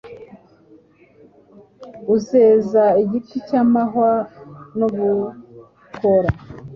uzeza igiti cy’amahwa nubukora